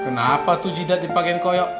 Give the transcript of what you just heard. kenapa tuh jidat dipakain kaya